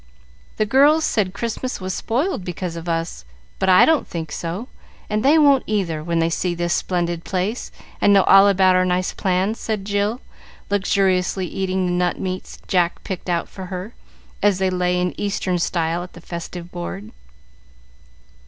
"The girls said Christmas was spoiled because of us; but I don't think so, and they won't either, when they see this splendid place and know all about our nice plans," said Jill, luxuriously eating the nut meats Jack picked out for her, as they lay in Eastern style at the festive board.